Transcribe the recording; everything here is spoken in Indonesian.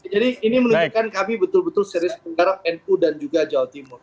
jadi ini menunjukkan kami betul betul serius menggarap nu dan juga jawa timur